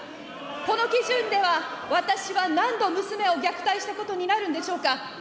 この基準では、私は何度、娘を虐待したことになるんでしょうか。